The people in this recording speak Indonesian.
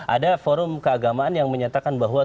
ada forum keagamaan yang menyatakan bahwa